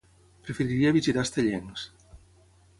Preferiria visitar Estellencs.